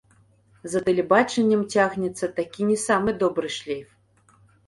За тэлебачаннем цягнецца такі не самы добры шлейф.